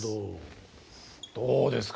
どうですか？